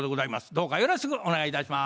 どうかよろしくお願いいたします。